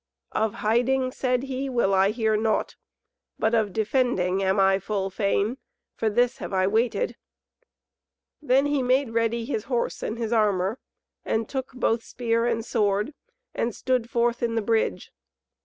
"Of hiding," said he, "will I hear naught, but of defending am I full fain. For this have I waited." Then he made ready his horse and his armour, and took both spear and sword, and stood forth in the bridge.